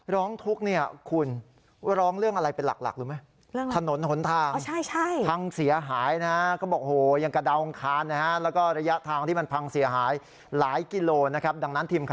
ร้องทุกข์เนี่ยคุณร้องเรื่องอะไรเป็นหลักรู้ไหม